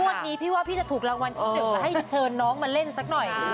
งวดนี้พี่ว่าพี่จะถูกรางวัลให้เชิญน้องมาเล่นสักหน่อย